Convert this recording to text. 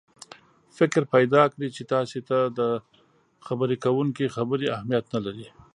فکر پیدا کړي چې تاسې ته د خبرې کوونکي خبرې اهمیت نه لري.